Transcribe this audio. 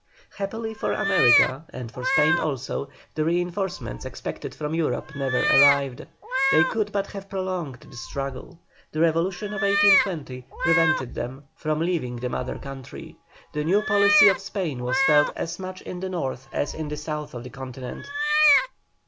Happily for America, and for Spain also, the reinforcements expected from Europe never arrived. They could but have prolonged the struggle. The revolution of 1820 prevented them from leaving the mother country. The new policy of Spain was felt as much in the north as in the south of the Continent.